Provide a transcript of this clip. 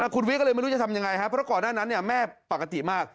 คุณวิก็เลยไม่รู้จะทำยังไงครับเพราะก่อนหน้านั้นแม่ปกติมาก